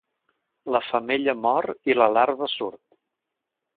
La femella mor i la larva surt.